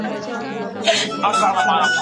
څېړونکی د متن هدف ولي روښانه کوي؟